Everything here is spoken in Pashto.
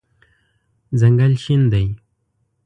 ځنګل شین دی